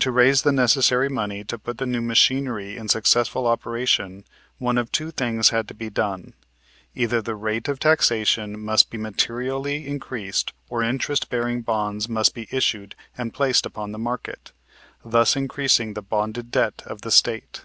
To raise the necessary money to put the new machinery in successful operation one of two things had to be done: either the rate of taxation must be materially increased or interest bearing bonds must be issued and placed upon the market, thus increasing the bonded debt of the State.